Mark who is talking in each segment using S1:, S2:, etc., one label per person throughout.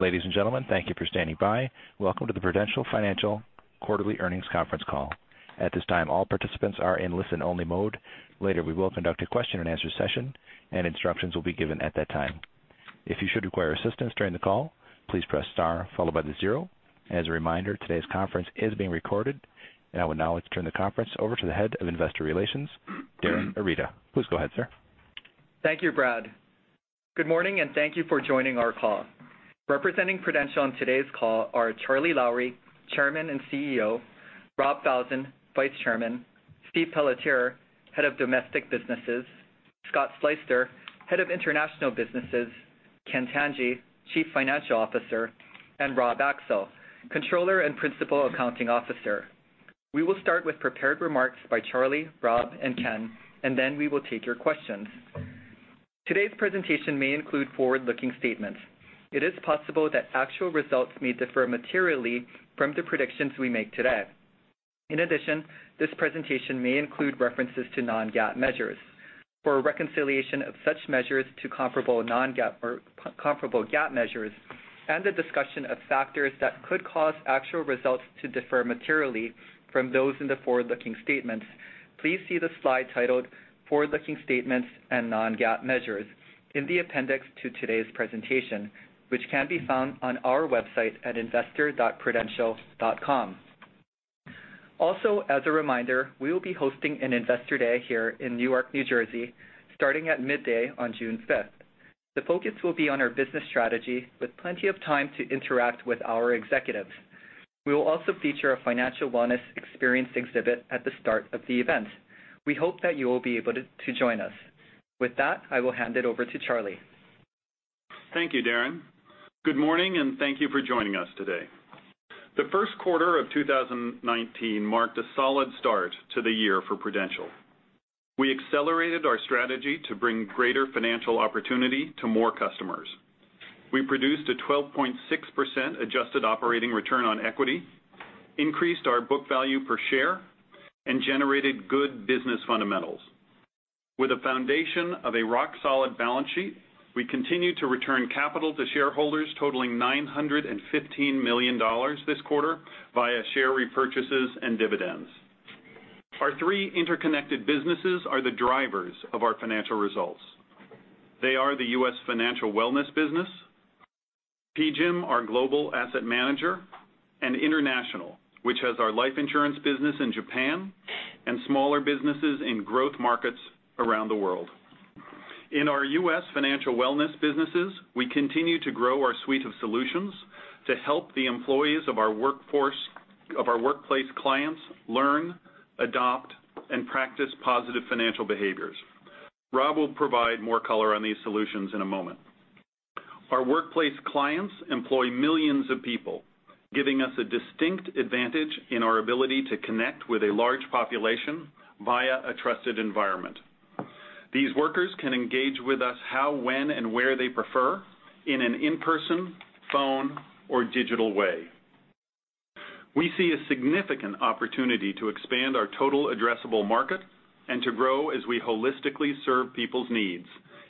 S1: Ladies and gentlemen, thank you for standing by. Welcome to the Prudential Financial quarterly earnings conference call. At this time, all participants are in listen-only mode. Later, we will conduct a question-and-answer session, and instructions will be given at that time. If you should require assistance during the call, please press star followed by the zero. As a reminder, today's conference is being recorded. I would now like to turn the conference over to the head of investor relations, Darin Arita. Please go ahead, sir.
S2: Thank you, Brad. Good morning, and thank you for joining our call. Representing Prudential on today's call are Charles Lowrey, Chairman and CEO; Robert Falzon, Vice Chairman; Stephen Pelletier, Head of Domestic Businesses; Scott Sleyster, Head of International Businesses; Ken Tanji, Chief Financial Officer; and Rob Axel, Controller and Principal Accounting Officer. We will start with prepared remarks by Charlie, Rob, and Ken, and then we will take your questions. Today's presentation may include forward-looking statements. It is possible that actual results may differ materially from the predictions we make today. In addition, this presentation may include references to non-GAAP measures. For a reconciliation of such measures to comparable GAAP measures and a discussion of factors that could cause actual results to differ materially from those in the forward-looking statements, please see the slide titled "Forward-Looking Statements and Non-GAAP Measures" in the appendix to today's presentation, which can be found on our website at investor.prudential.com. Also, as a reminder, we will be hosting an investor day here in Newark, New Jersey, starting at midday on June fifth. The focus will be on our business strategy, with plenty of time to interact with our executives. We will also feature a financial wellness experience exhibit at the start of the event. We hope that you will be able to join us. With that, I will hand it over to Charlie.
S3: Thank you, Darin. Good morning, and thank you for joining us today. The first quarter of 2019 marked a solid start to the year for Prudential. We accelerated our strategy to bring greater financial opportunity to more customers. We produced a 12.6% adjusted operating return on equity, increased our book value per share, and generated good business fundamentals. With a foundation of a rock-solid balance sheet, we continue to return capital to shareholders totaling $915 million this quarter via share repurchases and dividends. Our three interconnected businesses are the drivers of our financial results. They are the U.S. Financial Wellness business, PGIM, our global asset manager, and International, which has our life insurance business in Japan and smaller businesses in growth markets around the world. In our U.S. Financial Wellness businesses, we continue to grow our suite of solutions to help the employees of our workplace clients learn, adopt, and practice positive financial behaviors. Rob will provide more color on these solutions in a moment. Our workplace clients employ millions of people, giving us a distinct advantage in our ability to connect with a large population via a trusted environment. These workers can engage with us how, when, and where they prefer in an in-person, phone, or digital way. We see a significant opportunity to expand our total addressable market and to grow as we holistically serve people's needs,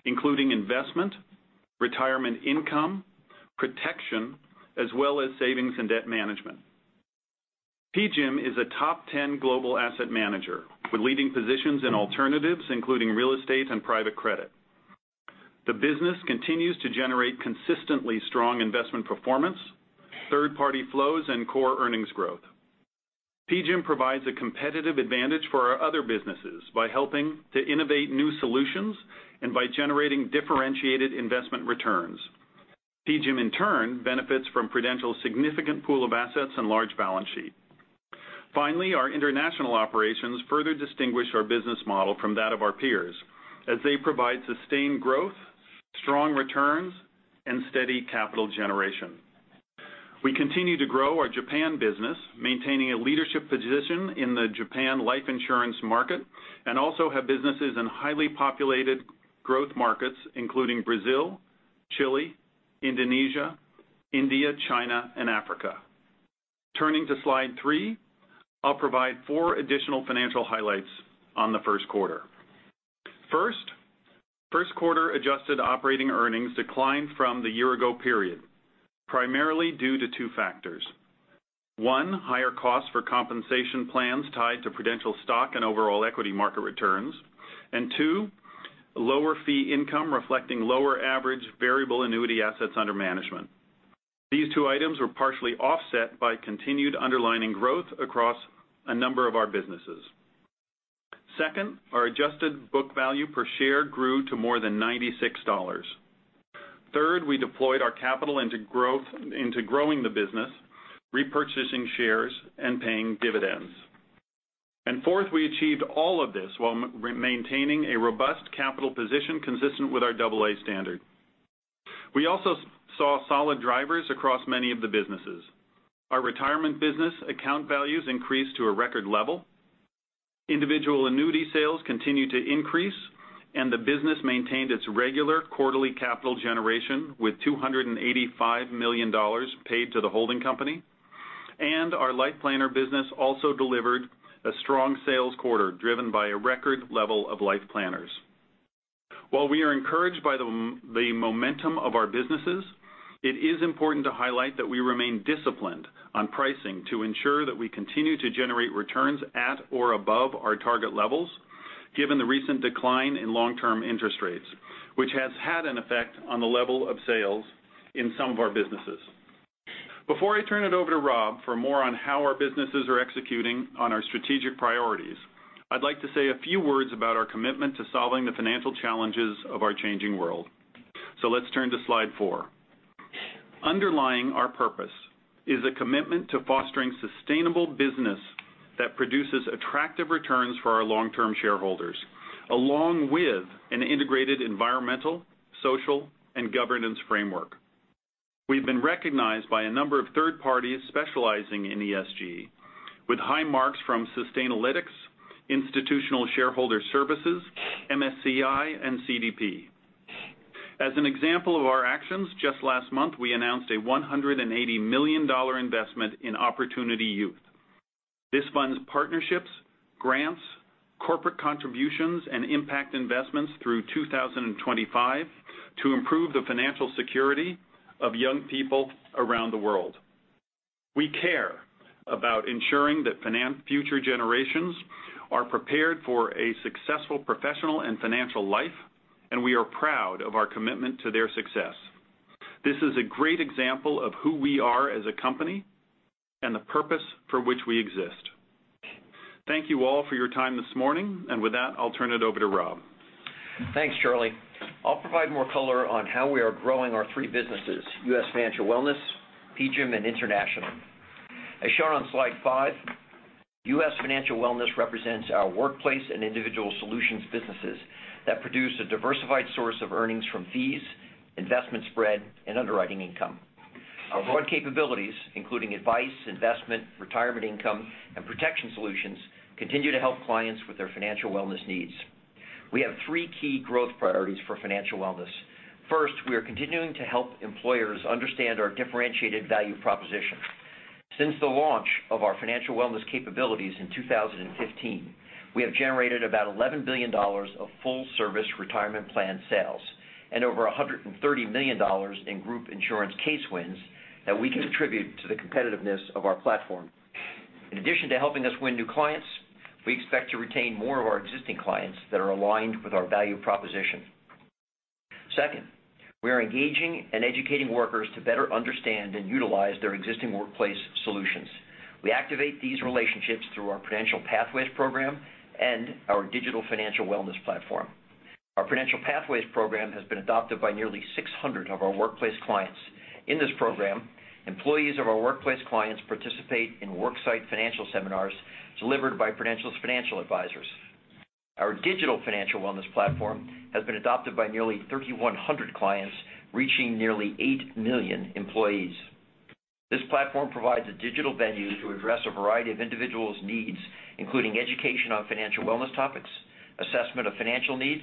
S3: including investment, retirement income, protection, as well as savings and debt management. PGIM is a top 10 global asset manager with leading positions in alternatives, including real estate and private credit. The business continues to generate consistently strong investment performance, third-party flows, and core earnings growth. PGIM provides a competitive advantage for our other businesses by helping to innovate new solutions and by generating differentiated investment returns. PGIM, in turn, benefits from Prudential's significant pool of assets and large balance sheet. Our international operations further distinguish our business model from that of our peers, as they provide sustained growth, strong returns, and steady capital generation. We continue to grow our Japan business, maintaining a leadership position in the Japan life insurance market and also have businesses in highly populated growth markets, including Brazil, Chile, Indonesia, India, China, and Africa. Turning to slide three, I'll provide four additional financial highlights on the first quarter. First quarter adjusted operating earnings declined from the year-ago period, primarily due to two factors. One, higher costs for compensation plans tied to Prudential stock and overall equity market returns. Two, lower fee income reflecting lower average variable annuity assets under management. These two items were partially offset by continued underlying growth across a number of our businesses. Second, our adjusted book value per share grew to more than $96. Third, we deployed our capital into growing the business, repurchasing shares, and paying dividends. Fourth, we achieved all of this while maintaining a robust capital position consistent with our Double A standard. We also saw solid drivers across many of the businesses. Our retirement business account values increased to a record level. Individual annuity sales continued to increase, and the business maintained its regular quarterly capital generation, with $285 million paid to the holding company. Our Life Planner business also delivered a strong sales quarter, driven by a record level of life planners. While we are encouraged by the momentum of our businesses, it is important to highlight that we remain disciplined on pricing to ensure that we continue to generate returns at or above our target levels given the recent decline in long-term interest rates, which has had an effect on the level of sales in some of our businesses. Before I turn it over to Rob for more on how our businesses are executing on our strategic priorities, I'd like to say a few words about our commitment to solving the financial challenges of our changing world. Let's turn to slide four. Underlying our purpose is a commitment to fostering sustainable business that produces attractive returns for our long-term shareholders, along with an integrated environmental, social, and governance framework. We've been recognized by a number of third parties specializing in ESG with high marks from Sustainalytics, Institutional Shareholder Services, MSCI, and CDP. As an example of our actions, just last month, we announced a $180 million investment in Opportunity Youth. This funds partnerships, grants, corporate contributions, and impact investments through 2025 to improve the financial security of young people around the world. We care about ensuring that future generations are prepared for a successful professional and financial life, and we are proud of our commitment to their success. This is a great example of who we are as a company and the purpose for which we exist. Thank you all for your time this morning. With that, I'll turn it over to Rob.
S4: Thanks, Charlie. I'll provide more color on how we are growing our three businesses, U.S. Financial Wellness, PGIM, and International. As shown on slide five, U.S. Financial Wellness represents our workplace and individual solutions businesses that produce a diversified source of earnings from fees, investment spread, and underwriting income. Our broad capabilities, including advice, investment, retirement income, and protection solutions, continue to help clients with their financial wellness needs. We have three key growth priorities for financial wellness. First, we are continuing to help employers understand our differentiated value proposition. Since the launch of our financial wellness capabilities in 2015, we have generated about $11 billion of full-service retirement plan sales and over $130 million in group insurance case wins that we can attribute to the competitiveness of our platform. In addition to helping us win new clients, we expect to retain more of our existing clients that are aligned with our value proposition. Second, we are engaging and educating workers to better understand and utilize their existing workplace solutions. We activate these relationships through our Prudential Pathways program and our digital financial wellness platform. Our Prudential Pathways program has been adopted by nearly 600 of our workplace clients. In this program, employees of our workplace clients participate in worksite financial seminars delivered by Prudential's financial advisors. Our digital financial wellness platform has been adopted by nearly 3,100 clients, reaching nearly eight million employees. This platform provides a digital venue to address a variety of individuals' needs, including education on financial wellness topics, assessment of financial needs,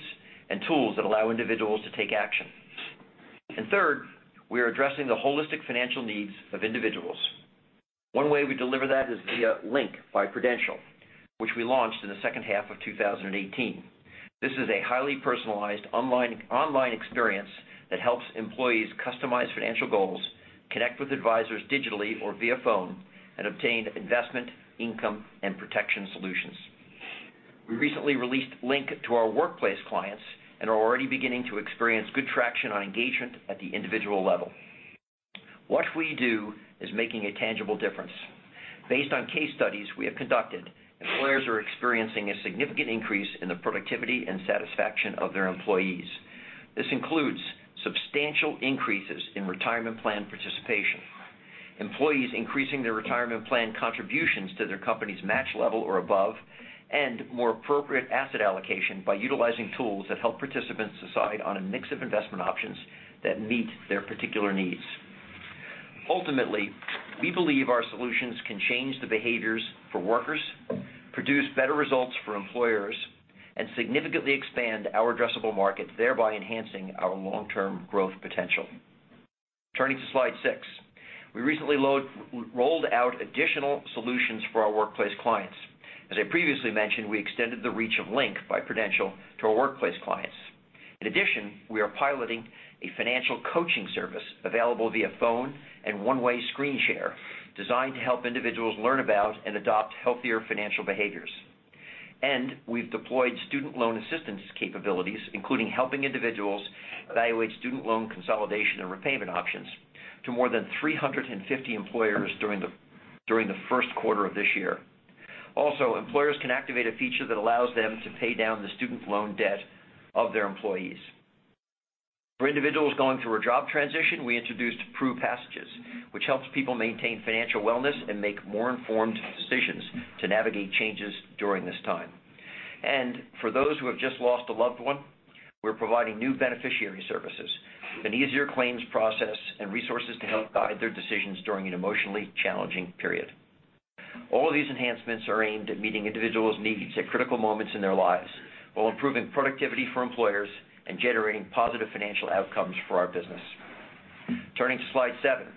S4: and tools that allow individuals to take action. Third, we are addressing the holistic financial needs of individuals. One way we deliver that is via LINK by Prudential, which we launched in the second half of 2018. This is a highly personalized online experience that helps employees customize financial goals, connect with advisors digitally or via phone, and obtain investment, income, and protection solutions. We recently released LINK to our workplace clients and are already beginning to experience good traction on engagement at the individual level. What we do is making a tangible difference. Based on case studies we have conducted, employers are experiencing a significant increase in the productivity and satisfaction of their employees. This includes substantial increases in retirement plan participation, employees increasing their retirement plan contributions to their company's match level or above, and more appropriate asset allocation by utilizing tools that help participants decide on a mix of investment options that meet their particular needs. Ultimately, we believe our solutions can change the behaviors for workers, produce better results for employers, significantly expand our addressable market, thereby enhancing our long-term growth potential. Turning to slide six. We recently rolled out additional solutions for our workplace clients. As I previously mentioned, we extended the reach of LINK by Prudential to our workplace clients. In addition, we are piloting a financial coaching service available via phone and one-way screen share designed to help individuals learn about and adopt healthier financial behaviors. We've deployed student loan assistance capabilities, including helping individuals evaluate student loan consolidation and repayment options to more than 350 employers during the first quarter of this year. Employers can activate a feature that allows them to pay down the student loan debt of their employees. For individuals going through a job transition, we introduced PruPassages, which helps people maintain financial wellness and make more informed decisions to navigate changes during this time. For those who have just lost a loved one, we're providing new beneficiary services, an easier claims process, and resources to help guide their decisions during an emotionally challenging period. All of these enhancements are aimed at meeting individuals' needs at critical moments in their lives while improving productivity for employers and generating positive financial outcomes for our business. Turning to slide seven.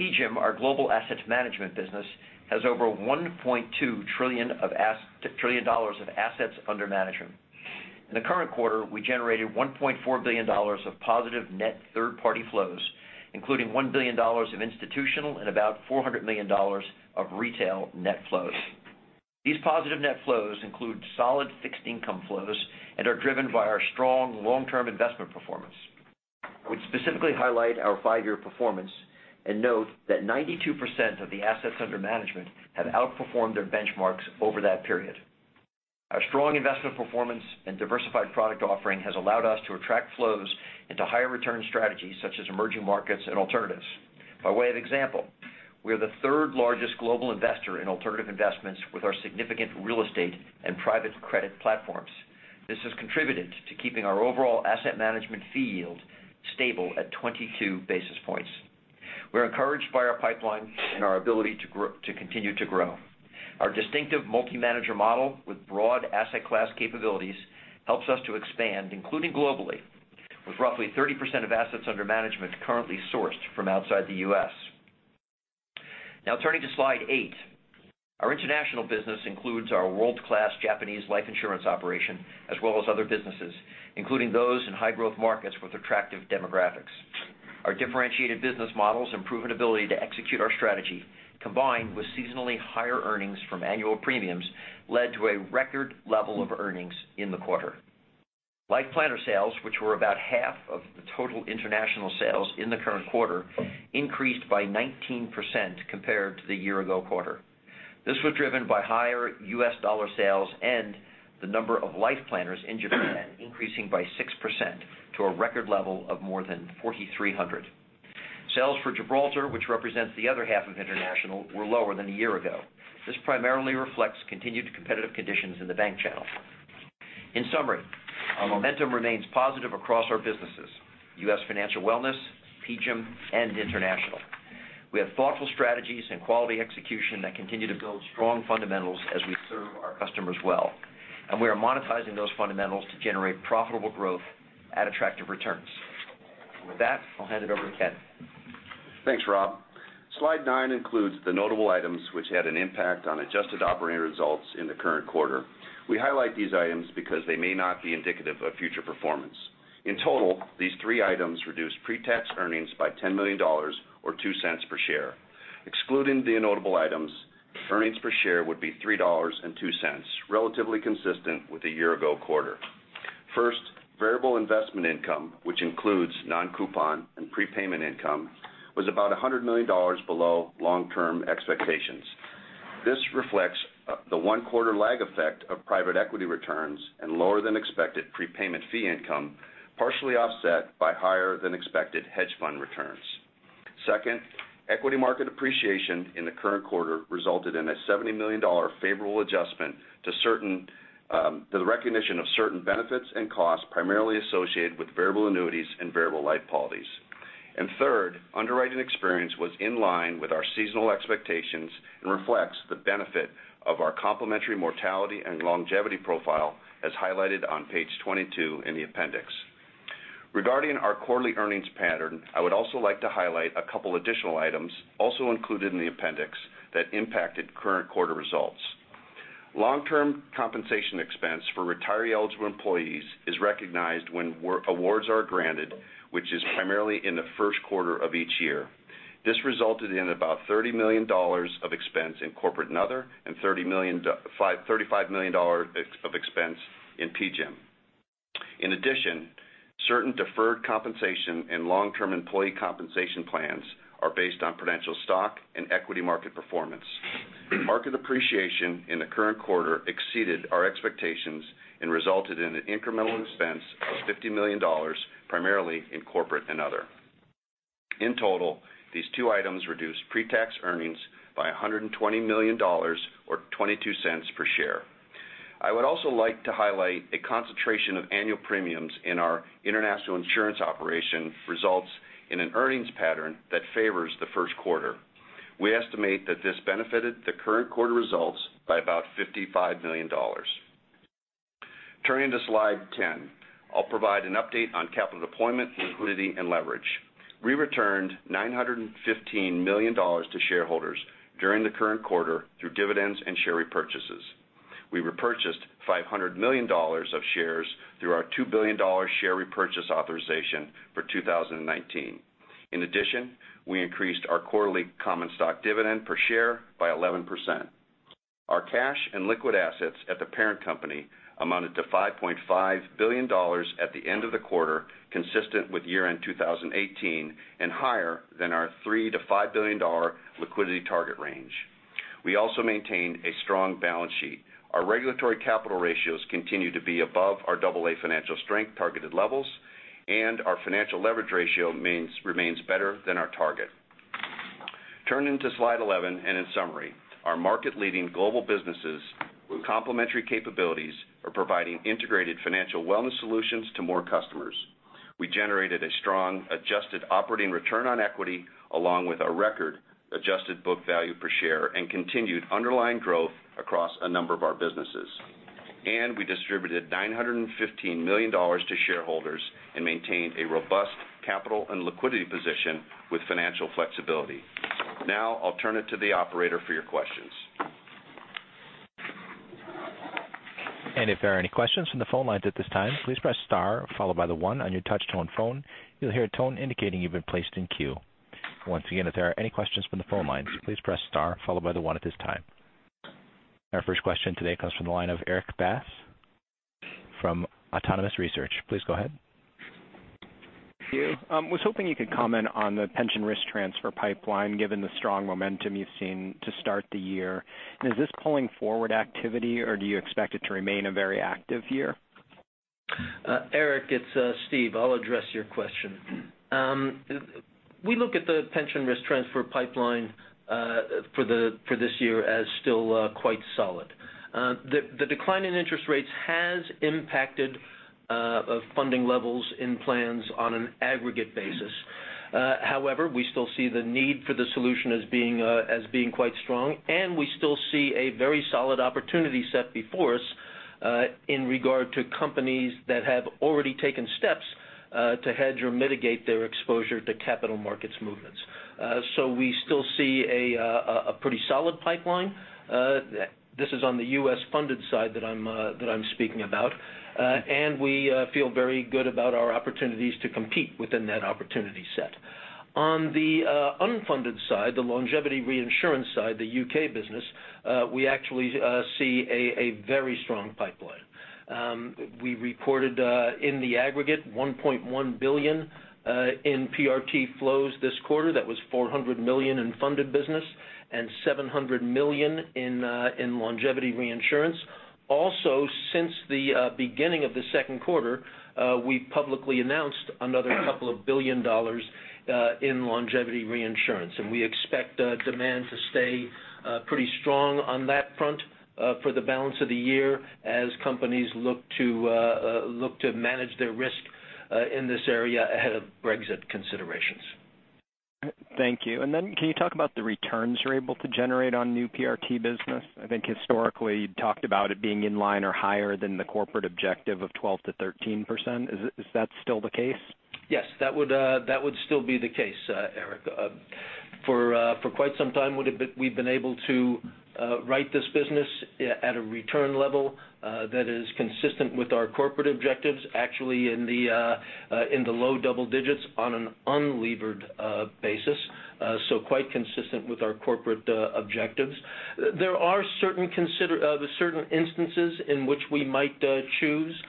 S4: PGIM, our global asset management business, has over $1.2 trillion of assets under management. In the current quarter, we generated $1.4 billion of positive net third-party flows, including $1 billion of institutional and about $400 million of retail net flows. These positive net flows include solid fixed income flows and are driven by our strong long-term investment performance. I would specifically highlight our five-year performance and note that 92% of the assets under management have outperformed their benchmarks over that period. Our strong investment performance and diversified product offering has allowed us to attract flows into higher return strategies such as emerging markets and alternative investments. By way of example, we are the third largest global investor in alternative investments with our significant real estate and private credit platforms. This has contributed to keeping our overall asset management fee yield stable at 22 basis points. We're encouraged by our pipeline and our ability to continue to grow. Our distinctive multi-manager model with broad asset class capabilities helps us to expand, including globally, with roughly 30% of assets under management currently sourced from outside the U.S. Turning to slide eight. Our international business includes our world-class Japanese life insurance operation as well as other businesses, including those in high growth markets with attractive demographics. Our differentiated business models and proven ability to execute our strategy, combined with seasonally higher earnings from annual premiums, led to a record level of earnings in the quarter. Life planner sales, which were about half of the total international sales in the current quarter, increased by 19% compared to the year ago quarter. This was driven by higher U.S. dollar sales and the number of life planners in Japan increasing by 6% to a record level of more than 4,300. Sales for Gibraltar, which represents the other half of international, were lower than a year ago. This primarily reflects continued competitive conditions in the bank channel. In summary, our momentum remains positive across our businesses, U.S. Financial Wellness, PGIM, and International. We have thoughtful strategies and quality execution that continue to build strong fundamentals as we serve our customers well. We are monetizing those fundamentals to generate profitable growth at attractive returns. With that, I will hand it over to Ken.
S5: Thanks, Rob. Slide nine includes the notable items which had an impact on adjusted operating results in the current quarter. We highlight these items because they may not be indicative of future performance. In total, these three items reduced pre-tax earnings by $10 million, or $0.02 per share. Excluding the notable items, earnings per share would be $3.02, relatively consistent with the year ago quarter. First, variable investment income, which includes non-coupon and prepayment income, was about $100 million below long-term expectations. This reflects the one quarter lag effect of private equity returns and lower than expected prepayment fee income, partially offset by higher than expected hedge fund returns. Second, equity market appreciation in the current quarter resulted in a $70 million favorable adjustment to the recognition of certain benefits and costs primarily associated with variable annuities and variable life policies. Third, underwriting experience was in line with our seasonal expectations and reflects the benefit of our complementary mortality and longevity profile, as highlighted on page 22 in the appendix. Regarding our quarterly earnings pattern, I would also like to highlight a couple additional items also included in the appendix that impacted current quarter results. Long-term compensation expense for retiree-eligible employees is recognized when awards are granted, which is primarily in the first quarter of each year. This resulted in about $30 million of expense in Corporate and Other, and $35 million of expense in PGIM. In addition, certain deferred compensation and long-term employee compensation plans are based on Prudential stock and equity market performance. Market appreciation in the current quarter exceeded our expectations and resulted in an incremental expense of $50 million, primarily in Corporate and Other. In total, these two items reduced pre-tax earnings by $120 million, or $0.22 per share. I would also like to highlight a concentration of annual premiums in our international insurance operation results in an earnings pattern that favors the first quarter. We estimate that this benefited the current quarter results by about $55 million. Turning to slide 10, I will provide an update on capital deployment, liquidity, and leverage. We returned $915 million to shareholders during the current quarter through dividends and share repurchases. We repurchased $500 million of shares through our $2 billion share repurchase authorization for 2019. In addition, we increased our quarterly common stock dividend per share by 11%. Our cash and liquid assets at the parent company amounted to $5.5 billion at the end of the quarter, consistent with year-end 2018 and higher than our $3 billion-$5 billion liquidity target range. We also maintain a strong balance sheet. Our regulatory capital ratios continue to be above our Double A financial strength targeted levels, and our financial leverage ratio remains better than our target. Turning to slide 11 and in summary, our market leading global businesses with complementary capabilities are providing integrated financial wellness solutions to more customers. We generated a strong adjusted operating return on equity along with a record adjusted book value per share and continued underlying growth across a number of our businesses. We distributed $915 million to shareholders and maintained a robust capital and liquidity position with financial flexibility. Now I'll turn it to the operator for your questions.
S1: If there are any questions from the phone lines at this time, please press star, followed by the one on your touch-tone phone. You'll hear a tone indicating you've been placed in queue. Once again, if there are any questions from the phone lines, please press star followed by the one at this time. Our first question today comes from the line of Erik Bass from Autonomous Research. Please go ahead.
S6: Thank you. I was hoping you could comment on the pension risk transfer pipeline, given the strong momentum you've seen to start the year. Is this pulling forward activity, or do you expect it to remain a very active year?
S7: Erik, it's Steve. I'll address your question. We look at the pension risk transfer pipeline for this year as still quite solid. The decline in interest rates has impacted funding levels in plans on an aggregate basis. However, we still see the need for the solution as being quite strong, and we still see a very solid opportunity set before us in regard to companies that have already taken steps to hedge or mitigate their exposure to capital markets movements. We still see a pretty solid pipeline. This is on the U.S.-funded side that I'm speaking about. We feel very good about our opportunities to compete within that opportunity set. On the unfunded side, the longevity reinsurance side, the U.K. business, we actually see a very strong pipeline. We reported in the aggregate $1.1 billion in PRT flows this quarter. That was $400 million in funded business and $700 million in longevity reinsurance. Also, since the beginning of the second quarter, we publicly announced another $2 billion in longevity reinsurance. We expect demand to stay pretty strong on that front for the balance of the year as companies look to manage their risk in this area ahead of Brexit considerations.
S6: Thank you. Can you talk about the returns you're able to generate on new PRT business? I think historically you talked about it being in line or higher than the corporate objective of 12%-13%. Is that still the case?
S7: Yes, that would still be the case, Erik. For quite some time, we've been able to write this business at a return level that is consistent with our corporate objectives, actually in the low double digits on an unlevered basis. Quite consistent with our corporate objectives. There are certain instances in which we might choose,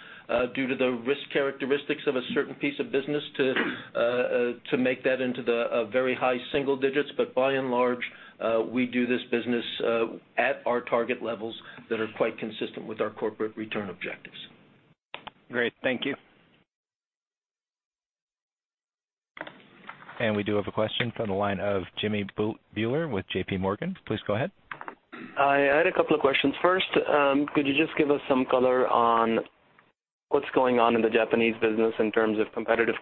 S7: due to the risk characteristics of a certain piece of business, to make that into the very high single digits. By and large, we do this business at our target levels that are quite consistent with our corporate return objectives.
S6: Great. Thank you.
S1: We do have a question from the line of Jimmy Bhullar with JPMorgan. Please go ahead.
S8: I had a couple of questions. First, could you just give us some color on what's going on in the Japanese business in terms of competitive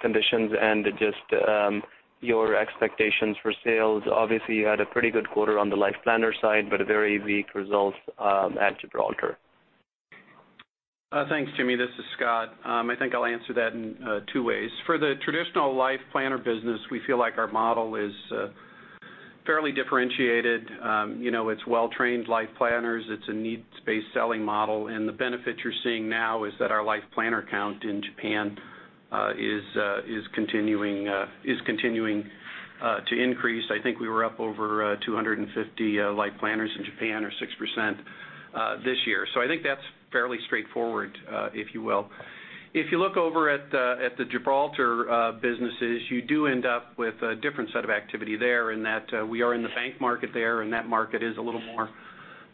S8: conditions and just your expectations for sales? Obviously, you had a pretty good quarter on the life planner side, but a very weak result at Gibraltar.
S9: Thanks, Jimmy. This is Scott. I think I'll answer that in two ways. For the traditional life planner business, we feel like our model is fairly differentiated. It's well-trained life planners. It's a needs-based selling model. The benefit you're seeing now is that our life planner count in Japan is continuing to increase. I think we were up over 250 life planners in Japan or 6% this year. I think that's fairly straightforward, if you will. If you look over at the Gibraltar businesses, you do end up with a different set of activity there in that we are in the bank market there, and that market is a little more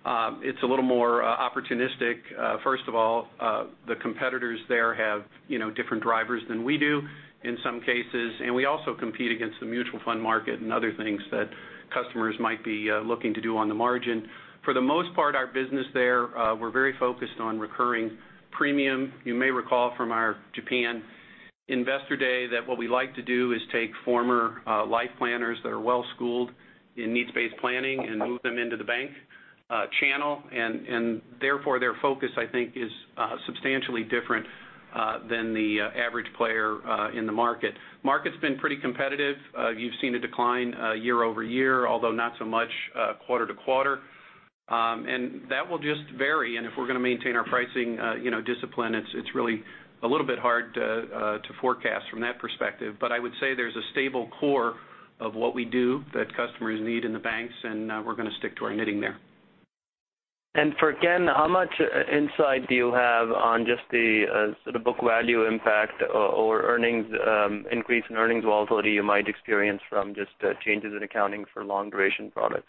S9: opportunistic. First of all, the competitors there have different drivers than we do in some cases. We also compete against the mutual fund market and other things that customers might be looking to do on the margin. For the most part, our business there, we're very focused on recurring premium. You may recall from our Japan investor day that what we like to do is take former life planners that are well-schooled in needs-based planning. Therefore their focus, I think, is substantially different than the average player in the market. Market's been pretty competitive. You've seen a decline year-over-year, although not so much quarter-to-quarter. That will just vary. If we're going to maintain our pricing discipline, it's really a little bit hard to forecast from that perspective. I would say there's a stable core of what we do that customers need in the banks. We're going to stick to our knitting there.
S8: For Ken, how much insight do you have on just the sort of book value impact or increase in earnings volatility you might experience from just changes in accounting for long-duration products?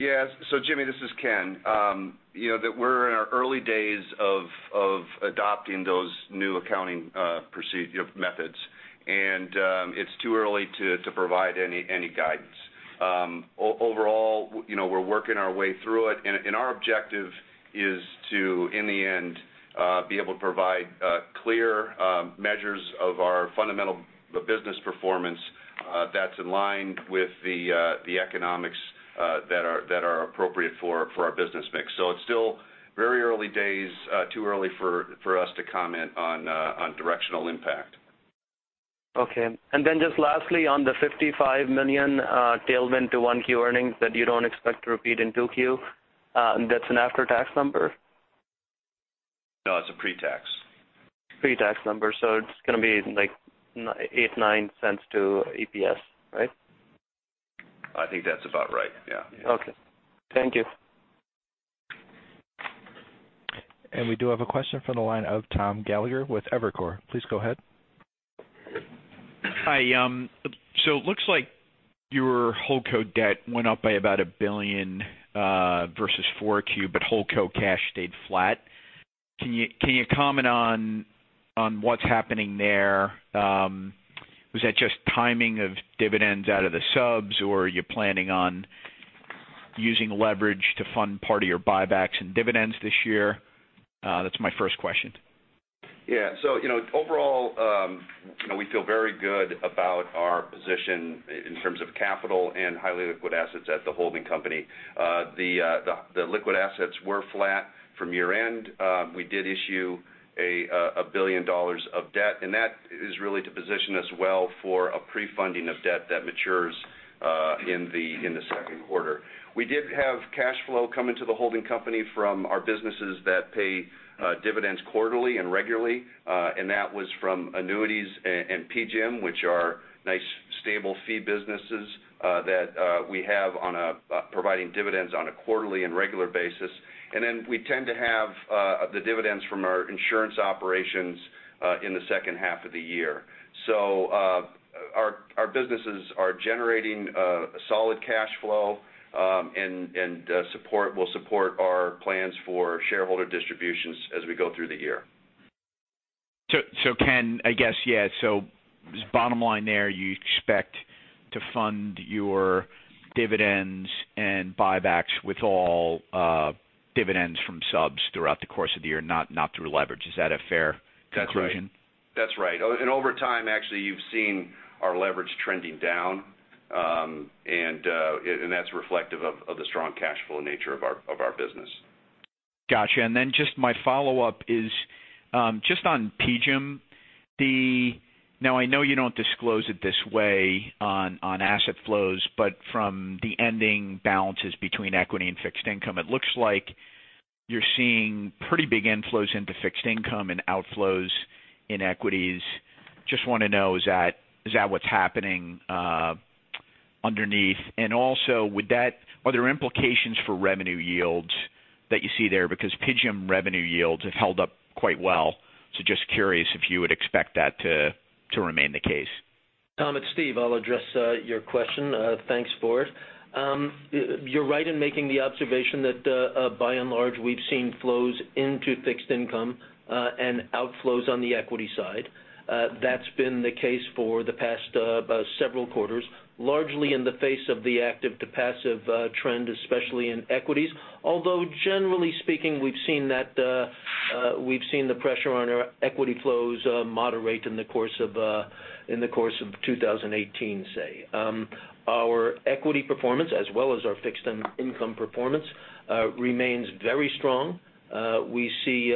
S8: Yes. Jimmy, this is Ken. We're in our early days of adopting those new accounting methods. It's too early to provide any guidance. Overall, we're working our way through it. Our objective is to, in the end, be able to provide clear measures of our fundamental business performance
S5: That's in line with the economics that are appropriate for our business mix. It's still very early days, too early for us to comment on directional impact.
S8: Okay. Then just lastly, on the $55 million tailwind to 1Q earnings that you don't expect to repeat in 2Q, that's an after-tax number?
S5: No, it's a pre-tax.
S8: Pre-tax number, it's going to be like $0.08, $0.09 to EPS, right?
S5: I think that's about right. Yeah.
S8: Okay. Thank you.
S1: We do have a question from the line of Tom Gallagher with Evercore. Please go ahead.
S10: Hi. It looks like your holdco debt went up by about $1 billion versus 4Q, but holdco cash stayed flat. Can you comment on what's happening there? Was that just timing of dividends out of the subs, or are you planning on using leverage to fund part of your buybacks and dividends this year? That's my first question.
S5: Yeah. Overall, we feel very good about our position in terms of capital and highly liquid assets at the holding company. The liquid assets were flat from year-end. We did issue $1 billion of debt, that is really to position us well for a pre-funding of debt that matures in the second quarter. We did have cash flow come into the holding company from our businesses that pay dividends quarterly and regularly. That was from annuities and PGIM, which are nice stable fee businesses that we have providing dividends on a quarterly and regular basis. Then we tend to have the dividends from our insurance operations in the second half of the year. Our businesses are generating solid cash flow and will support our plans for shareholder distributions as we go through the year.
S10: Ken, I guess, yeah. Just bottom line there, you expect to fund your dividends and buybacks with all dividends from subs throughout the course of the year, not through leverage. Is that a fair conclusion?
S5: That's right. Over time, actually, you've seen our leverage trending down. That's reflective of the strong cash flow nature of our business.
S10: Got you. Just my follow-up is just on PGIM. I know you don't disclose it this way on asset flows, but from the ending balances between equity and fixed income, it looks like you're seeing pretty big inflows into fixed income and outflows in equities. Just want to know, is that what's happening underneath? Also are there implications for revenue yields that you see there? Because PGIM revenue yields have held up quite well. Just curious if you would expect that to remain the case.
S7: Tom, it's Steve. I'll address your question. Thanks for it. You're right in making the observation that by and large, we've seen flows into fixed income, and outflows on the equity side. That's been the case for the past several quarters, largely in the face of the active to passive trend, especially in equities. Although generally speaking, we've seen the pressure on our equity flows moderate in the course of 2018, say. Our equity performance as well as our fixed income performance remains very strong. We see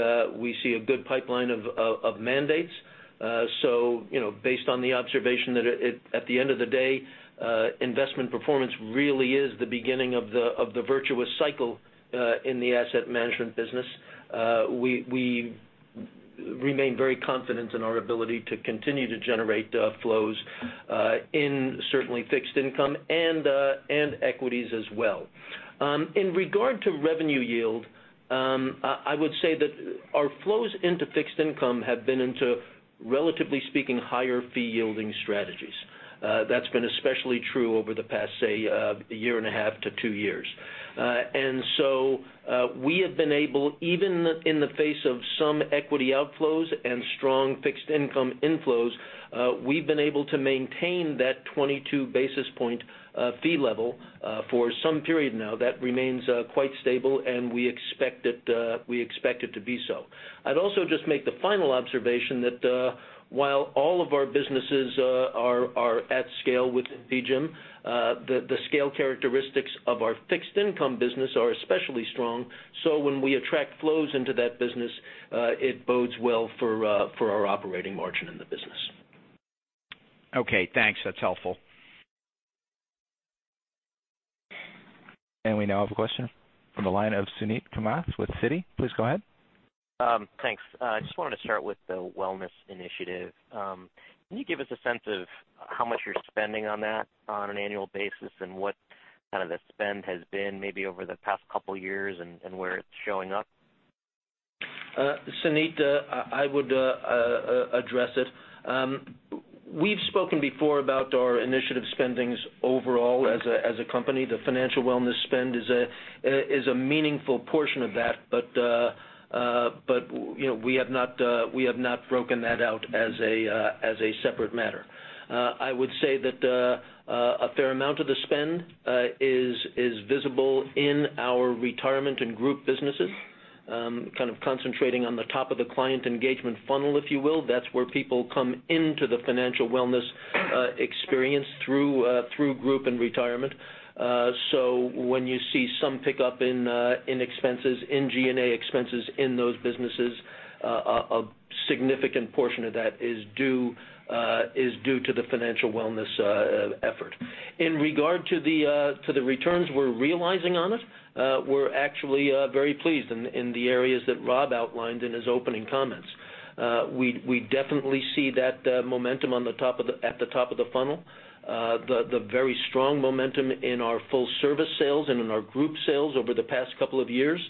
S7: a good pipeline of mandates. Based on the observation that at the end of the day, investment performance really is the beginning of the virtuous cycle in the asset management business. We remain very confident in our ability to continue to generate flows in certainly fixed income and equities as well. In regard to revenue yield, I would say that our flows into fixed income have been into, relatively speaking, higher fee-yielding strategies. That's been especially true over the past, say, a year and a half to two years. We have been able, even in the face of some equity outflows and strong fixed income inflows, we've been able to maintain that 22 basis point fee level for some period now. That remains quite stable, and we expect it to be so. I'd also just make the final observation that while all of our businesses are at scale within PGIM, the scale characteristics of our fixed income business are especially strong. When we attract flows into that business it bodes well for our operating margin in the business.
S10: Okay, thanks. That's helpful.
S1: We now have a question from the line of Suneet Kamath with Citi. Please go ahead.
S11: Thanks. I just wanted to start with the wellness initiative. Can you give us a sense of how much you're spending on that on an annual basis and what kind of the spend has been maybe over the past couple of years and where it's showing up?
S7: Suneet, I would address it. We've spoken before about our initiative spending overall as a company. The financial wellness spend is a meaningful portion of that. We have not broken that out as a separate matter. I would say that a fair amount of the spend is visible in our retirement and group businesses, kind of concentrating on the top of the client engagement funnel, if you will. That's where people come into the financial wellness experience through group and retirement. When you see some pickup in G&A expenses in those businesses, a significant portion of that is due to the financial wellness effort. In regard to the returns we're realizing on it, we're actually very pleased in the areas that Rob outlined in his opening comments. We definitely see that momentum at the top of the funnel. The very strong momentum in our full service sales and in our group sales over the past couple of years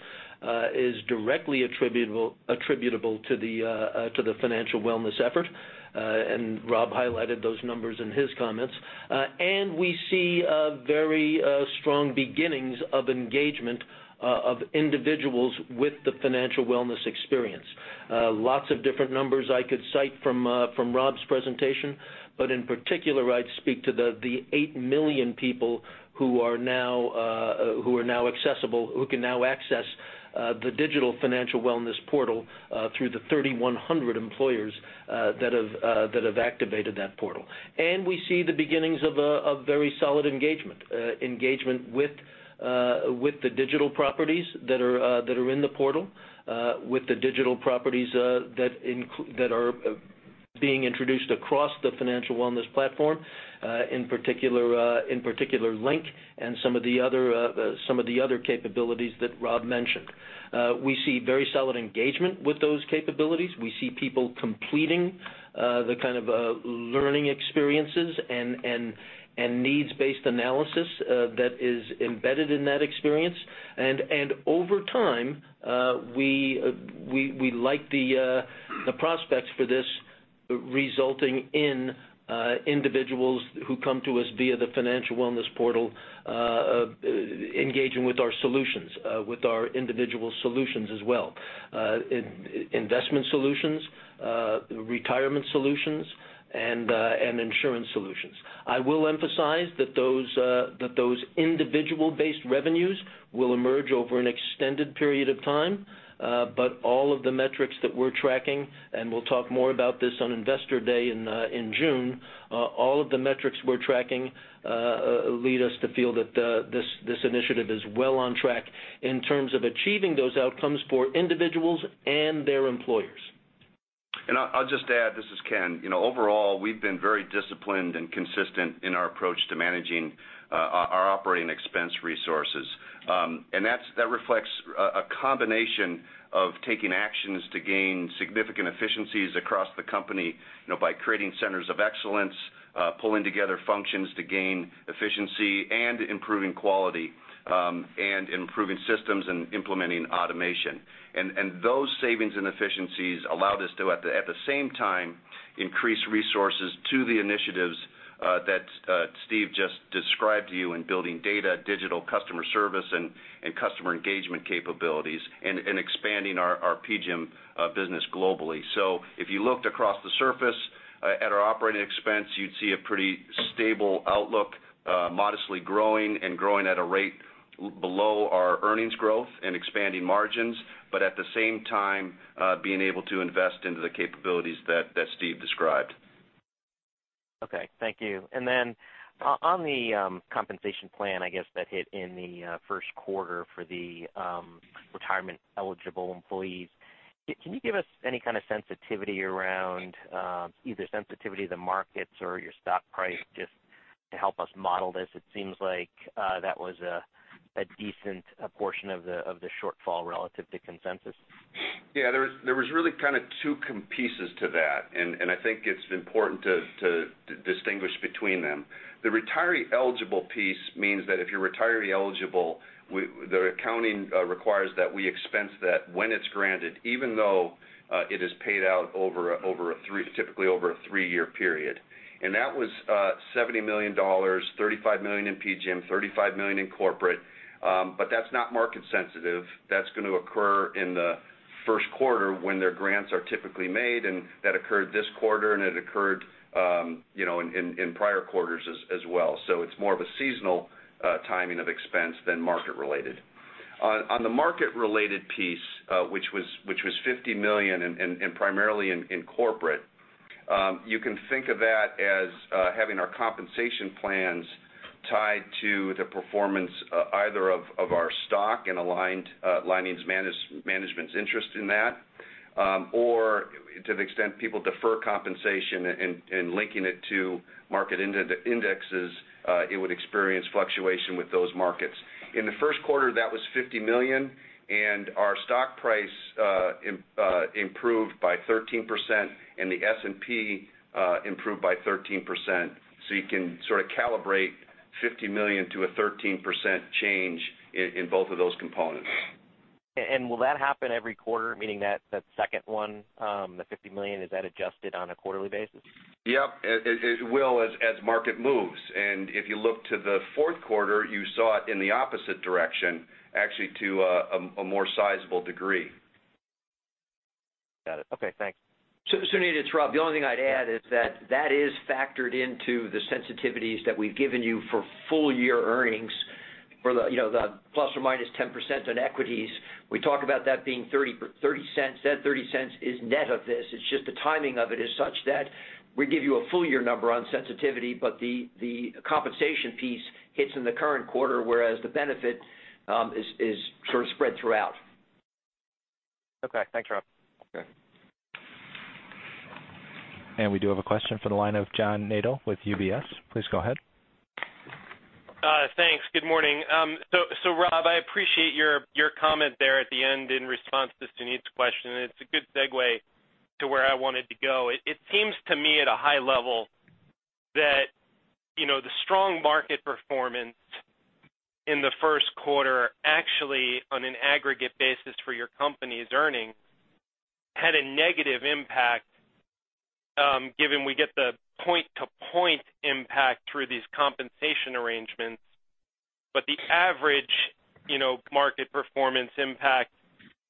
S7: is directly attributable to the financial wellness effort. Rob highlighted those numbers in his comments. We see very strong beginnings of engagement of individuals with the financial wellness experience. Lots of different numbers I could cite from Rob's presentation, but in particular, I'd speak to the 8 million people who can now access the digital financial wellness portal through the 3,100 employers that have activated that portal. We see the beginnings of very solid engagement. Engagement with the digital properties that are in the portal, with the digital properties that are being introduced across the financial wellness platform, in particular LINK and some of the other capabilities that Rob mentioned. We see very solid engagement with those capabilities. We see people completing the kind of learning experiences and needs-based analysis that is embedded in that experience. Over time, we like the prospects for this resulting in individuals who come to us via the financial wellness portal, engaging with our individual solutions as well. Investment solutions, retirement solutions, and insurance solutions. I will emphasize that those individual-based revenues will emerge over an extended period of time. All of the metrics that we're tracking, and we'll talk more about this on Investor Day in June, all of the metrics we're tracking lead us to feel that this initiative is well on track in terms of achieving those outcomes for individuals and their employers.
S5: I'll just add, this is Ken. Overall, we've been very disciplined and consistent in our approach to managing our operating expense resources. That reflects a combination of taking actions to gain significant efficiencies across the company by creating centers of excellence, pulling together functions to gain efficiency and improving quality, and improving systems and implementing automation. Those savings and efficiencies allow us to, at the same time, increase resources to the initiatives that Steve just described to you in building data, digital customer service, and customer engagement capabilities, and expanding our PGIM business globally. If you looked across the surface at our operating expense, you'd see a pretty stable outlook, modestly growing, and growing at a rate below our earnings growth and expanding margins. At the same time, being able to invest into the capabilities that Steve described.
S11: Thank you. Then on the compensation plan, I guess that hit in the first quarter for the retirement-eligible employees, can you give us any kind of sensitivity around either sensitivity to the markets or your stock price just to help us model this? It seems like that was a decent portion of the shortfall relative to consensus.
S5: There was really kind of two pieces to that. I think it's important to distinguish between them. The retiree-eligible piece means that if you're retiree eligible, the accounting requires that we expense that when it's granted, even though it is paid out typically over a three-year period. That was $70 million, $35 million in PGIM, $35 million in corporate. That's not market sensitive. That's going to occur in the first quarter when their grants are typically made. That occurred this quarter. It occurred in prior quarters as well. It's more of a seasonal timing of expense than market related. On the market-related piece, which was $50 million and primarily in corporate, you can think of that as having our compensation plans tied to the performance either of our stock and aligned management's interest in that, or to the extent people defer compensation and linking it to market indexes, it would experience fluctuation with those markets. In the first quarter, that was $50 million. Our stock price improved by 13%. The S&P improved by 13%. You can sort of calibrate $50 million to a 13% change in both of those components.
S11: Will that happen every quarter, meaning that second one, the $50 million, is that adjusted on a quarterly basis?
S5: Yep. It will as market moves. If you look to the fourth quarter, you saw it in the opposite direction, actually to a more sizable degree.
S11: Okay, thanks.
S4: Suneet, it's Rob. The only thing I'd add is that that is factored into the sensitivities that we've given you for full-year earnings for the plus or minus 10% on equities. We talk about that being $0.30. That $0.30 is net of this. It's just the timing of it is such that we give you a full-year number on sensitivity, but the compensation piece hits in the current quarter, whereas the benefit is sort of spread throughout.
S11: Okay. Thanks, Rob.
S4: Okay.
S1: We do have a question for the line of John Nadel with UBS. Please go ahead.
S12: Thanks. Good morning. Rob, I appreciate your comment there at the end in response to Suneet's question, and it's a good segue to where I wanted to go. It seems to me at a high level that the strong market performance in the first quarter, actually, on an aggregate basis for your company's earnings, had a negative impact, given we get the point-to-point impact through these compensation arrangements. The average market performance impact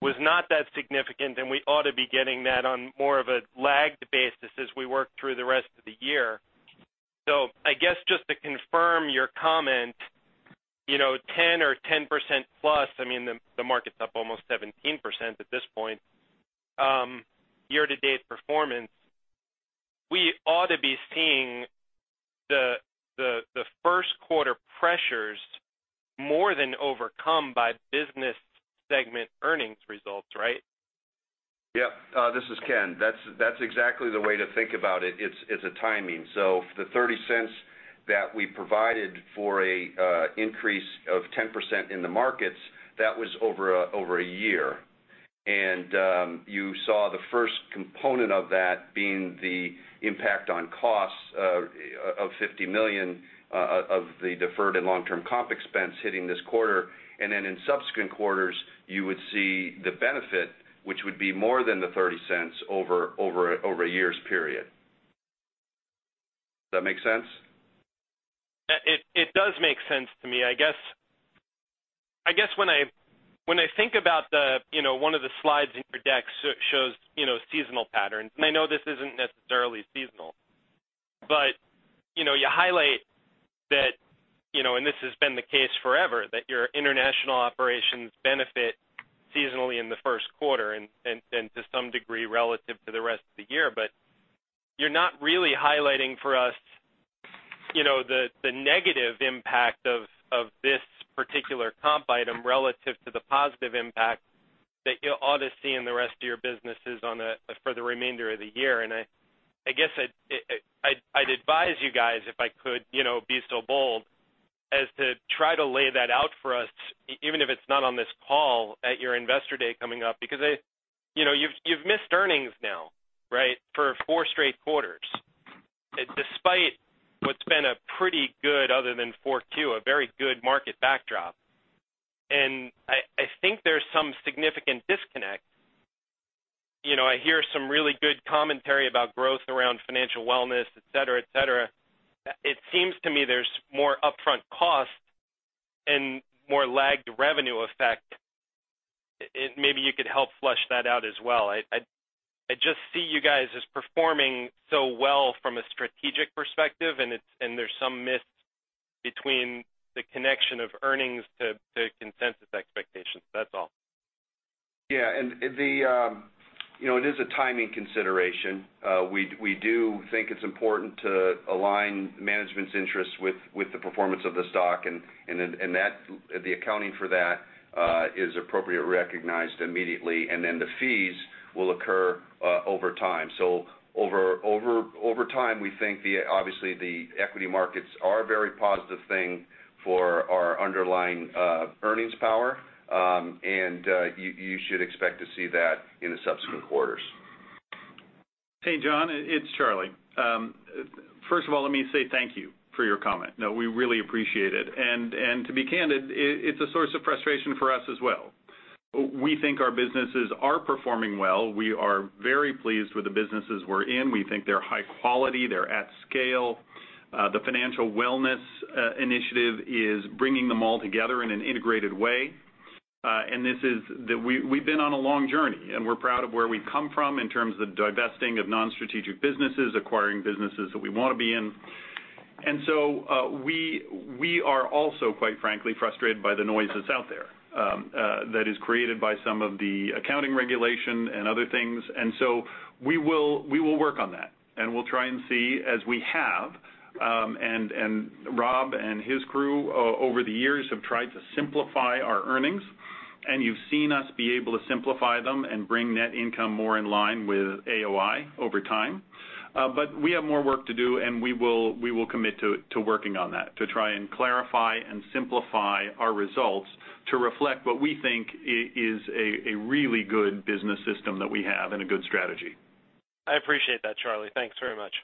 S12: was not that significant, and we ought to be getting that on more of a lagged basis as we work through the rest of the year. I guess just to confirm your comment, 10 or 10% plus, I mean, the market's up almost 17% at this point, year-to-date performance. We ought to be seeing the first quarter pressures more than overcome by business segment earnings results, right?
S5: Yep. This is Ken. That's exactly the way to think about it. It's a timing. The $0.30 that we provided for an increase of 10% in the markets, that was over a year. You saw the first component of that being the impact on costs of $50 million of the deferred and long-term comp expense hitting this quarter. Then in subsequent quarters, you would see the benefit, which would be more than the $0.30 over a year's period. Does that make sense?
S12: It does make sense to me. I guess when I think about one of the slides in your deck shows seasonal patterns, and I know this isn't necessarily seasonal, but you highlight that, and this has been the case forever, that your international operations benefit seasonally in the first quarter and to some degree, relative to the rest of the year. You're not really highlighting for us the negative impact of this particular comp item relative to the positive impact that you'll ought to see in the rest of your businesses for the remainder of the year. I guess I'd advise you guys, if I could be so bold, as to try to lay that out for us, even if it's not on this call at your investor day coming up, because you've missed earnings now, right? For four straight quarters, despite what's been a pretty good, other than 4Q, a very good market backdrop. I think there's some significant disconnect. I hear some really good commentary about growth around financial wellness, et cetera. It seems to me there's more upfront cost and more lagged revenue effect. Maybe you could help flesh that out as well. I just see you guys as performing so well from a strategic perspective, and there's some myths between the connection of earnings to consensus expectations. That's all.
S5: Yeah. It is a timing consideration. We do think it's important to align management's interests with the performance of the stock. The accounting for that is appropriately recognized immediately, and then the fees will occur over time. Over time, we think obviously the equity markets are a very positive thing for our underlying earnings power. You should expect to see that in the subsequent quarters.
S3: Hey, John, it's Charlie. First of all, let me say thank you for your comment. No, we really appreciate it. To be candid, it's a source of frustration for us as well. We think our businesses are performing well. We are very pleased with the businesses we're in. We think they're high quality. They're at scale. The Financial Wellness Initiative is bringing them all together in an integrated way. We've been on a long journey, we're proud of where we've come from in terms of divesting of non-strategic businesses, acquiring businesses that we want to be in. We are also, quite frankly, frustrated by the noise that's out there that is created by some of the accounting regulation and other things. We will work on that, and we'll try and see as we have. Rob and his crew over the years have tried to simplify our earnings, and you've seen us be able to simplify them and bring net income more in line with AOI over time. We have more work to do, and we will commit to working on that to try and clarify and simplify our results to reflect what we think is a really good business system that we have and a good strategy.
S12: I appreciate that, Charlie. Thanks very much.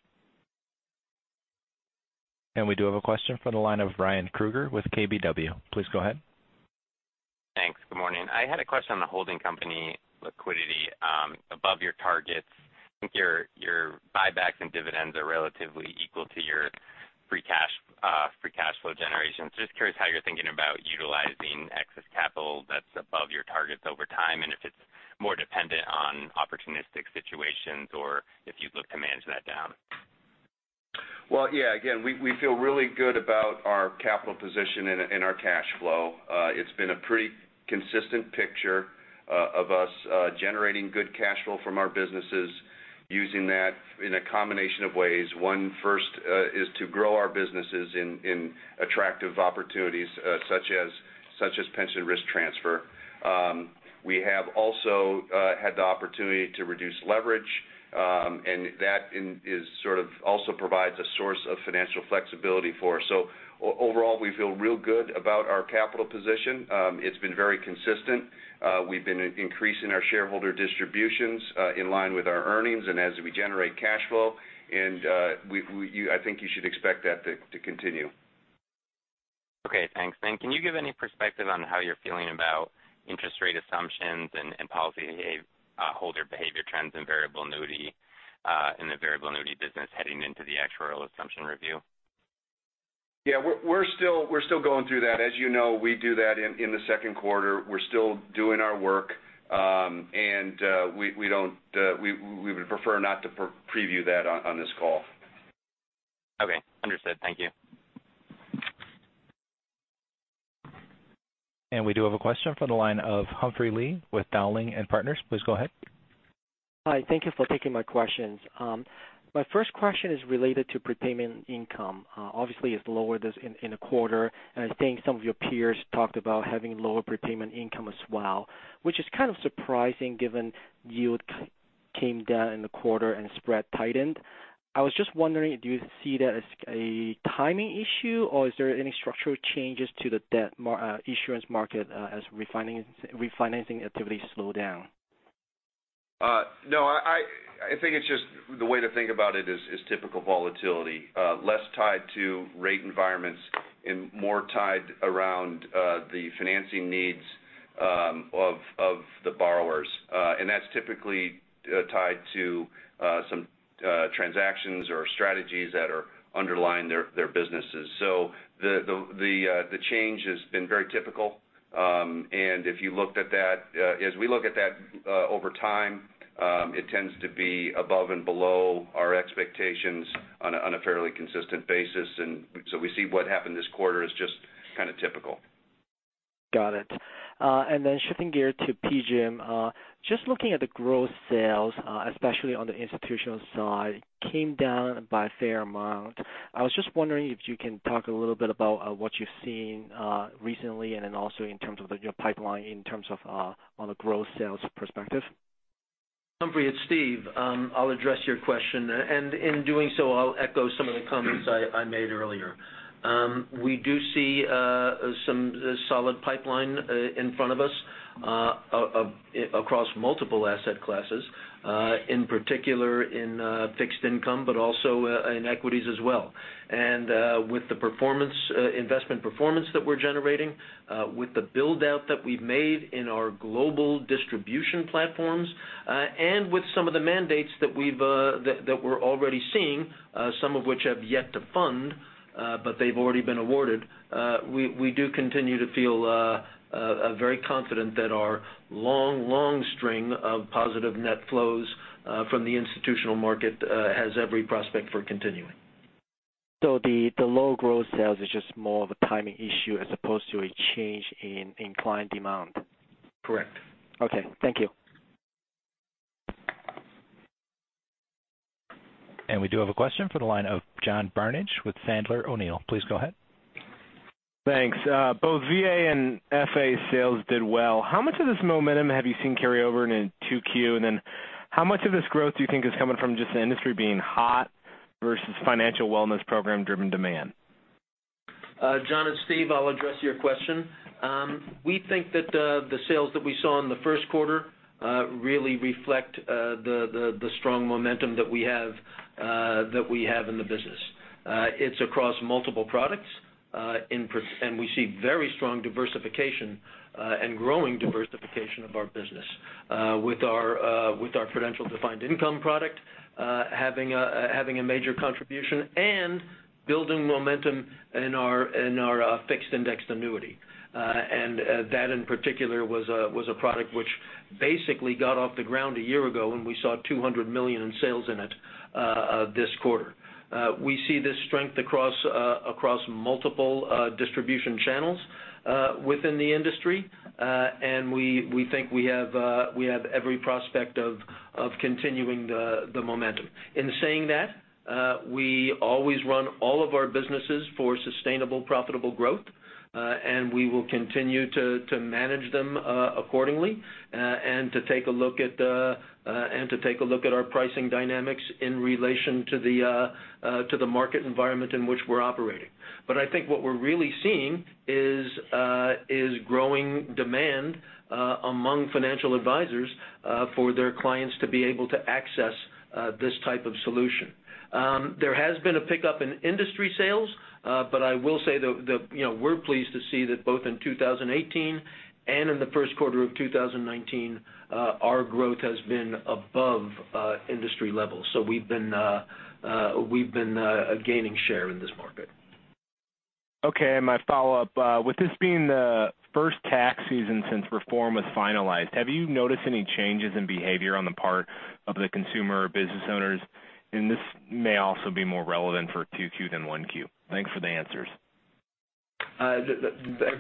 S1: We do have a question for the line of Ryan Krueger with KBW. Please go ahead.
S13: Thanks. Good morning. I had a question on the holding company liquidity above your target. I think your buybacks and dividends are relatively equal to your free cash flow generation. Just curious how you're thinking about utilizing excess capital that's above your targets over time, and if it's more dependent on opportunistic situations or if you'd look to manage that down.
S5: Yeah. Again, we feel really good about our capital position and our cash flow. It's been a pretty consistent picture of us generating good cash flow from our businesses, using that in a combination of ways. First, is to grow our businesses in attractive opportunities, such as pension risk transfer. We have also had the opportunity to reduce leverage, and that also provides a source of financial flexibility for us. Overall, we feel real good about our capital position. It's been very consistent. We've been increasing our shareholder distributions in line with our earnings and as we generate cash flow. I think you should expect that to continue.
S13: Okay, thanks. Can you give any perspective on how you're feeling about interest rate assumptions and policyholder behavior trends in the variable annuity business heading into the actuarial assumption review?
S5: Yeah, we're still going through that. As you know, we do that in the second quarter. We're still doing our work. We would prefer not to preview that on this call.
S13: Okay, understood. Thank you.
S1: We do have a question from the line of Humphrey Lee with Dowling & Partners. Please go ahead.
S14: Hi. Thank you for taking my questions. My first question is related to prepayment income. Obviously, it's lower in the quarter. I think some of your peers talked about having lower prepayment income as well, which is kind of surprising given yield came down in the quarter and spread tightened. I was just wondering, do you see that as a timing issue, or is there any structural changes to the debt issuance market as refinancing activities slow down?
S5: I think the way to think about it is typical volatility. Less tied to rate environments and more tied around the financing needs of the borrowers. That's typically tied to some transactions or strategies that are underlying their businesses. The change has been very typical. As we look at that over time, it tends to be above and below our expectations on a fairly consistent basis. We see what happened this quarter is just kind of typical.
S14: Got it. Shifting gears to PGIM, just looking at the growth sales, especially on the institutional side, came down by a fair amount. I was just wondering if you can talk a little bit about what you're seeing recently, and then also in terms of your pipeline in terms of on the growth sales perspective.
S7: Humphrey, it's Steve. I'll address your question, and in doing so, I'll echo some of the comments I made earlier. We do see some solid pipeline in front of us across multiple asset classes. In particular in fixed income but also in equities as well. With the investment performance that we're generating, with the build-out that we've made in our global distribution platforms, and with some of the mandates that we're already seeing, some of which have yet to fund but they've already been awarded, we do continue to feel very confident that our long string of positive net flows from the institutional market has every prospect for continuing.
S14: The low growth sales is just more of a timing issue as opposed to a change in client demand.
S5: Correct.
S14: Okay. Thank you.
S1: We do have a question for the line of John Barnidge with Sandler O'Neill. Please go ahead.
S15: Thanks. Both VA and FIA sales did well. How much of this momentum have you seen carry over into 2Q? How much of this growth do you think is coming from just the industry being hot versus financial wellness program-driven demand?
S7: John, it's Steve. I'll address your question. We think that the sales that we saw in the first quarter really reflect the strong momentum that we have in the business. It's across multiple products, and we see very strong diversification and growing diversification of our business with our Prudential Defined Income product having a major contribution and building momentum in our fixed indexed annuity. That in particular was a product which basically got off the ground a year ago when we saw $200 million in sales in it this quarter. We see this strength across multiple distribution channels within the industry. We think we have every prospect of continuing the momentum. In saying that, we always run all of our businesses for sustainable, profitable growth, and we will continue to manage them accordingly, and to take a look at our pricing dynamics in relation to the market environment in which we're operating. I think what we're really seeing is growing demand among financial advisors for their clients to be able to access this type of solution There has been a pickup in industry sales, but I will say that we're pleased to see that both in 2018 and in the first quarter of 2019, our growth has been above industry levels. We've been gaining share in this market.
S15: Okay. My follow-up, with this being the first tax season since reform was finalized, have you noticed any changes in behavior on the part of the consumer or business owners? This may also be more relevant for Q2 than 1Q. Thanks for the answers.
S7: I've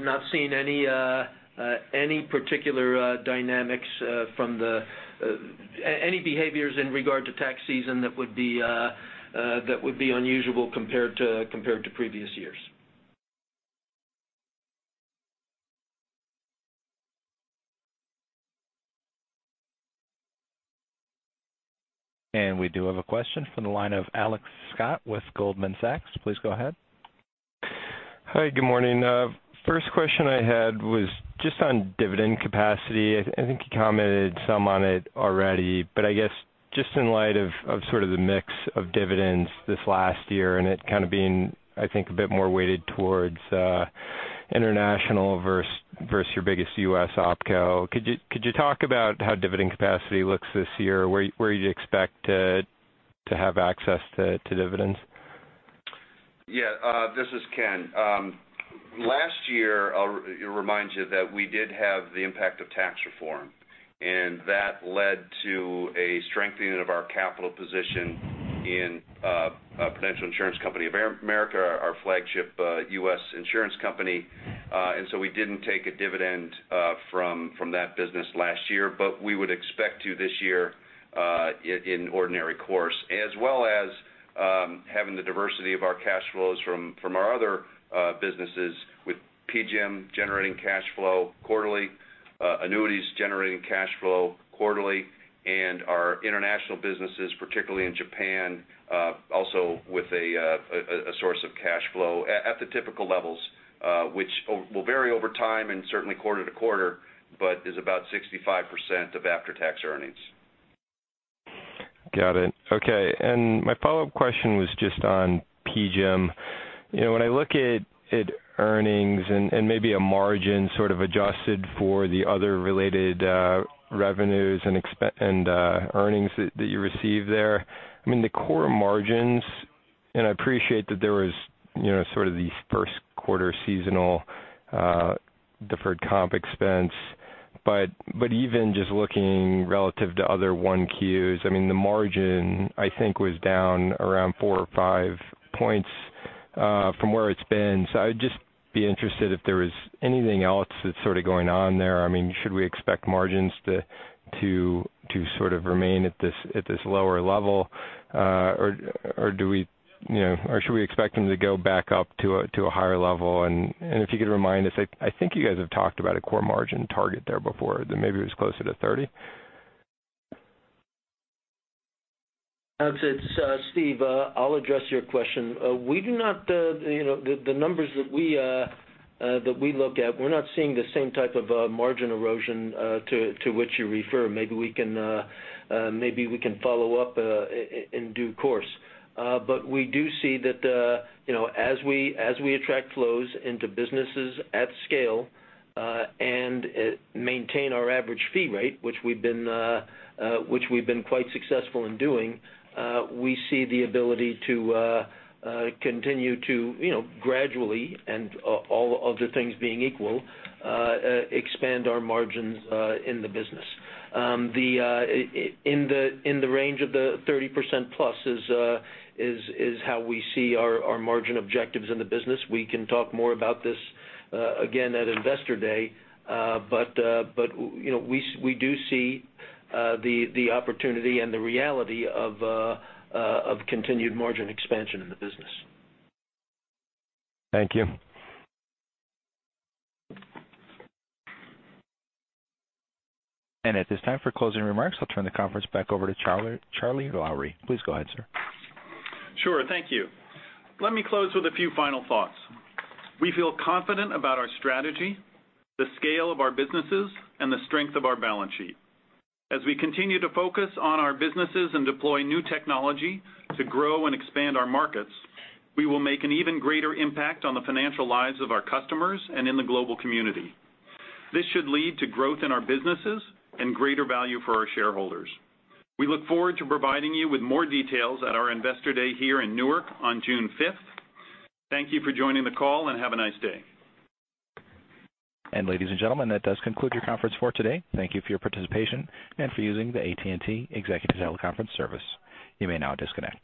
S7: not seen any particular dynamics, any behaviors in regard to tax season that would be unusual compared to previous years.
S1: We do have a question from the line of Alex Scott with Goldman Sachs. Please go ahead.
S16: Hi, good morning. First question I had was just on dividend capacity. I think you commented some on it already, but I guess just in light of sort of the mix of dividends this last year and it kind of being, I think, a bit more weighted towards international versus your biggest U.S. opco, could you talk about how dividend capacity looks this year? Where you expect to have access to dividends?
S5: Yeah. This is Ken. Last year, I'll remind you that we did have the impact of tax reform, and that led to a strengthening of our capital position in The Prudential Insurance Company of America, our flagship U.S. insurance company. So we didn't take a dividend from that business last year, but we would expect to this year in ordinary course, as well as having the diversity of our cash flows from our other businesses with PGIM generating cash flow quarterly, annuities generating cash flow quarterly, and our international businesses, particularly in Japan, also with a source of cash flow at the typical levels, which will vary over time and certainly quarter to quarter, but is about 65% of after-tax earnings.
S16: Got it. Okay. My follow-up question was just on PGIM. When I look at earnings and maybe a margin sort of adjusted for the other related revenues and earnings that you receive there, I mean, the core margins, and I appreciate that there was sort of the first quarter seasonal deferred comp expense, but even just looking relative to other 1Qs, I mean, the margin, I think, was down around four or five points from where it's been. I'd just be interested if there is anything else that's sort of going on there. I mean, should we expect margins to sort of remain at this lower level? Or should we expect them to go back up to a higher level? If you could remind us, I think you guys have talked about a core margin target there before that maybe was closer to 30.
S7: It's Steve. I'll address your question. The numbers that we look at, we're not seeing the same type of margin erosion to which you refer. Maybe we can follow up in due course. We do see that as we attract flows into businesses at scale and maintain our average fee rate, which we've been quite successful in doing, we see the ability to continue to gradually, and all other things being equal, expand our margins in the business. In the range of the 30% plus is how we see our margin objectives in the business. We can talk more about this again at Investor Day. We do see the opportunity and the reality of continued margin expansion in the business.
S16: Thank you.
S1: At this time, for closing remarks, I'll turn the conference back over to Charles Lowrey. Please go ahead, sir.
S3: Sure. Thank you. Let me close with a few final thoughts. We feel confident about our strategy, the scale of our businesses, and the strength of our balance sheet. As we continue to focus on our businesses and deploy new technology to grow and expand our markets, we will make an even greater impact on the financial lives of our customers and in the global community. This should lead to growth in our businesses and greater value for our shareholders. We look forward to providing you with more details at our Investor Day here in Newark on June fifth. Thank you for joining the call, and have a nice day.
S1: Ladies and gentlemen, that does conclude your conference for today. Thank you for your participation and for using the AT&T Executive Teleconference Service. You may now disconnect